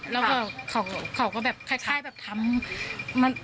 แล้วก็เขาก็แบบคล้ายแบบทำ